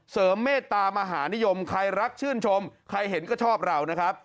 เมตตามหานิยมใครรักชื่นชมใครเห็นก็ชอบเรานะครับ